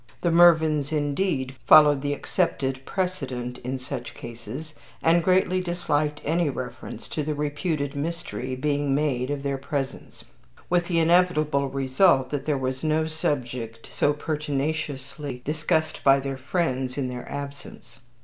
The Mervyns, indeed, followed the accepted precedent in such cases, and greatly disliked any reference to the reputed mystery being made in their presence; with the inevitable result that there was no subject so pertinaciously discussed by their friends in their absence.